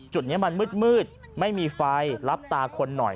จุดนี้มันมืดไม่มีไฟรับตาคนหน่อย